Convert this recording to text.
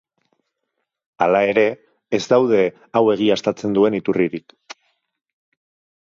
Hala ere, ez daude hau egiaztatzen duen iturririk.